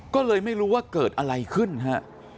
ก็เลยไม่รู้ว่าเกิดอะไรขึ้นฮะ